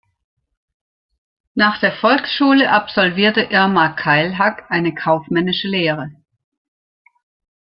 Nach der Volksschule absolvierte Irma Keilhack eine Kaufmännische Lehre.